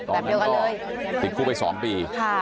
อ๋อตอนนั้นต้องติดคู่ไป๒ปี